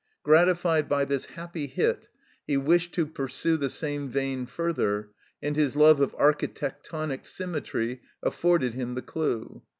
Gratified by this happy hit, he wished to pursue the same vein further, and his love of architectonic symmetry afforded him the clue.